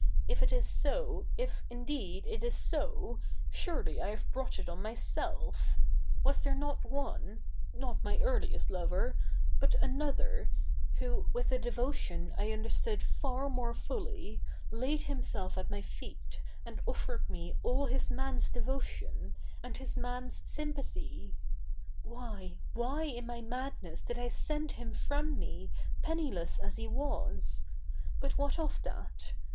If it is so, if indeed, it is so, surely I have brought it on myself IVas there not one —not my earliest lover — but another, who with a devotio)i I understood far 7nore fully, laid himself at my feet, and offered me all his 7?ia?i^s devotio?i, and his ma?i^s sympathy ? Why, why in my madness did I send him frotn me, penniless as he was — but 7vhat of that?